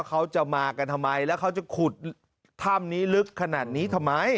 เขาจะขุดถ้ำนี้ลึกขนาดนี้ทำไม